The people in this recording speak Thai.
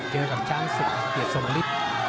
เจอกับช้างศึกเหลียดสงฤทธิ์